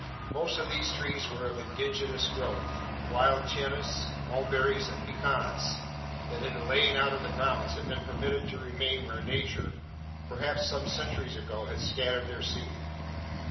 Most of these trees were of indigenous growth wild Chinas, mulberries, and pecans that in the laying out of the grounds had been permitted to remain where Nature, perhaps some centuries ago, had scattered their seed.